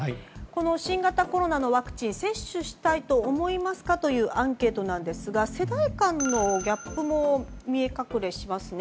新型コロナのワクチン接種したいと思いますか？というアンケートなんですが世代間のギャップも見え隠れしますね。